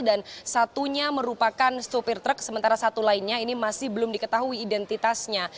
dan satunya merupakan stupir truk sementara satu lainnya ini masih belum diketahui identitasnya